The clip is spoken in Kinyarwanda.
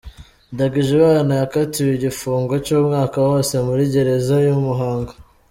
Ndagijimana yakatiwe igifungo cy’umwaka wose murigereza yamuhanga